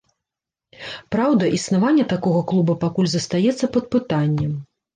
Праўда, існаванне такога клуба пакуль застаецца пад пытаннем.